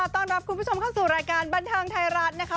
ต้อนรับคุณผู้ชมเข้าสู่รายการบันเทิงไทยรัฐนะคะ